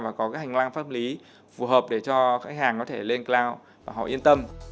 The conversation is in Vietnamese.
và có cái hành lang pháp lý phù hợp để cho khách hàng có thể lên cloud và họ yên tâm